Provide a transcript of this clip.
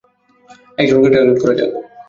একজনকে টার্গেট করা যাক।